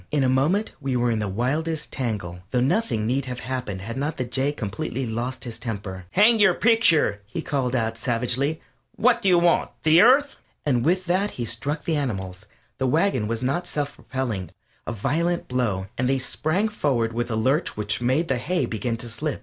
In a moment we were in the wildest tangle, though nothing need have happened had not the Jay completely lost his temper. "Hang your picture!" he called out, savagely, "What do you want? The Earth?" And with that he struck the animals the wagon was not self propelling a violent blow, and they sprang forward with a lurch which made the hay begin to slip.